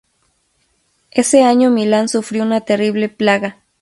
Ese año Milán sufrió una terrible plaga.